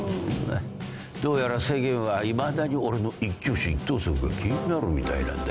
どうやら世間はいまだに俺の一挙手一投足が気になるみたいなんだ。